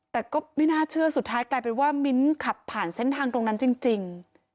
แต่ก็ไม่น่าเชื่อสุดท้ายกลายเป็นว่ามิ้นขับผ่านเส้นทางตรงนั้นจริง